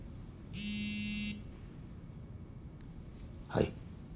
はい。